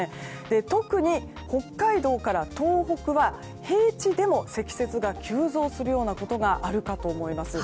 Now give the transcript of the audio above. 特に、北海道から東北は平地でも積雪が急増するようなことがあるかと思います。